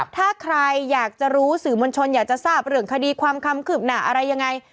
ถ้าใครอยากจะรู้สื่อมวลชนอยากจะทราบเรื่องคดีความคำคืบหน้าอะไรยังไง